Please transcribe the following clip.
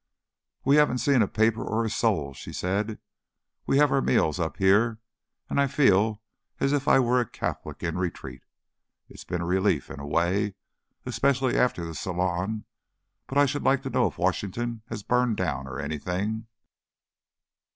"We haven't seen a paper or a soul," she said. "We have our meals up here, and I feel as if I were a Catholic in retreat. It's been a relief in a way, especially after the salon, but I should like to know if Washington has burned down, or anything."